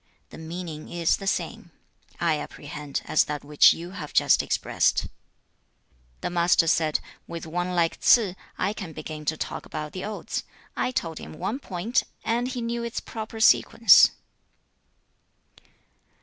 The meaning is the same, I apprehend, as that which you have just expressed.' 3. The Master said, 'With one like Ts'ze, I can begin to talk 已矣/告諸往而知來者. [十六章]子曰/不患人之不己知/患不知人也. about the odes. I told him one point, and he knew its proper sequence.'